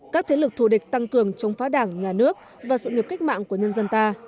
các thế lực thù địch tăng cường chống phá đảng nhà nước và sự nghiệp cách mạng của nhân dân ta